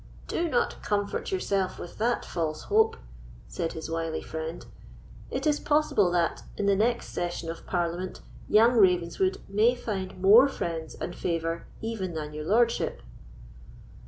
"Do not comfort yourself with that false hope," said his wily friend; "it is possible that, in the next session of Parliament, young Ravenswood may find more friends and favour even than your lordship."